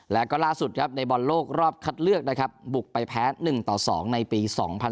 และก็ล่าสุดในบอลโลกรอบคัดเลือกบุกไปแพ้๑๒ในปี๒๐๑๙